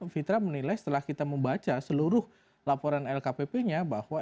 fitra menilai setelah kita membaca seluruh laporan lkpp nya bahwa